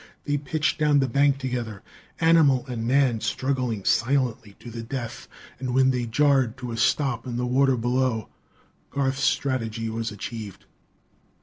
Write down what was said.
They pitched down the bank together, animal and man struggling silently to the death; and when they jarred to a stop in the water below, Garth's strategy was achieved.